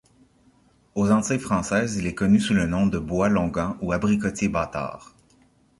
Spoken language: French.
Aux Antilles françaises, il est connu sous le nom de bois-l'onguent ou abricotier bâtard.